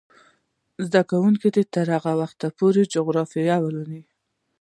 زده کوونکې به تر هغه وخته پورې جغرافیه لولي.